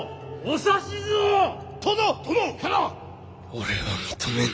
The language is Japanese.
俺は認めぬ。